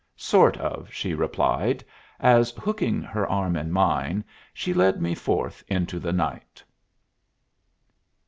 "Sort of," she replied as, hooking her arm in mine, she led me forth into the night.